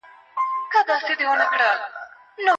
اسلام د بې وزلو د ژوند ضمانت دی.